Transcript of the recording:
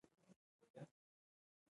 هلک غلی شو.